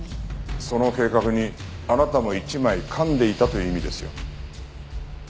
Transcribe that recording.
その計画にあなたも一枚かんでいたという意味ですよ。